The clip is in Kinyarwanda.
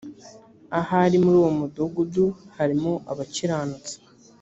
ahari muri uwo mudugudu harimo abakiranutsi